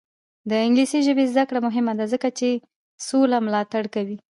د انګلیسي ژبې زده کړه مهمه ده ځکه چې سوله ملاتړ کوي.